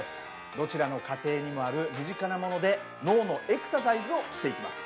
どちらの家庭にもある身近なもので脳のエクササイズをしていきます。